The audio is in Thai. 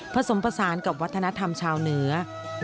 ผสมผสานกับวัฒนธรรมชาวเหนือ